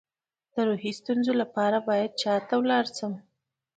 د روحي ستونزو لپاره باید چا ته لاړ شم؟